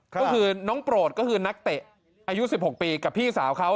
ก็คือน้องโปรดก็คือนักเตะอายุ๑๖ปีกับพี่สาวเขา